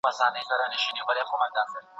سردار اکبرخان د ټولو ځواکونو سره اړیکه ټینګه کړه.